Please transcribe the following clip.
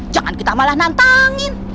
jangan kita malah nantangin